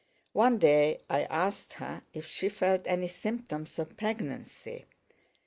One day I asked her if she felt any symptoms of pregnancy.